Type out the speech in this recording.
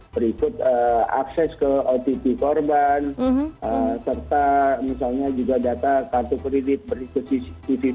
berikut akses ke otp korban serta misalnya juga data kartu kredit berikut cctv